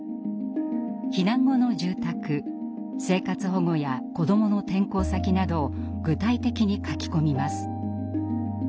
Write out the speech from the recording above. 避難後の住宅生活保護や子どもの転校先など具体的に書き込みます。